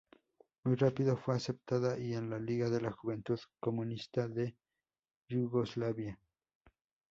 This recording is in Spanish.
Muy rápido fue aceptada y en la Liga de la Juventud Comunista de Yugoslavia.